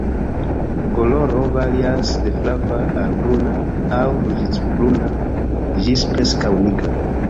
Koloro varias de flava al bruna aŭ ruĝecbruna ĝis preskaŭ nigra.